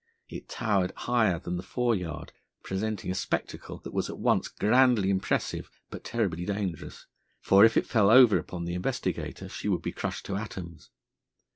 It towered higher than the foreyard, presenting a spectacle that was at once grandly impressive but terribly dangerous, for if it fell over upon the Investigator she would be crushed to atoms.